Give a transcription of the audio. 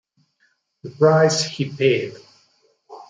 The Price He Paid